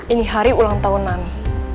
ini hari ulang tahun kami